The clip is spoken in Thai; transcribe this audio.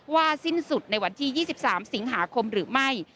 สิ้นสุดในวันที่๒๓สิงหาคมหรือไม่